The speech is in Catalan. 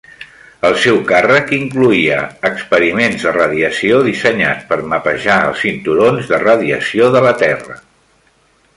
El seu càrrec incloïa experiments de radiació dissenyats per mapejar els cinturons de radiació de la Terra.